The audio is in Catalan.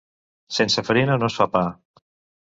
Sense farina no es fa pa.